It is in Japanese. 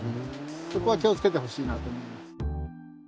そこは気をつけてほしいなと思います。